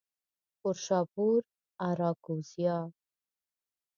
پورشاپور، آراکوزیا